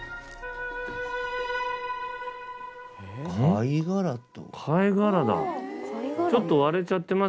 貝殻と。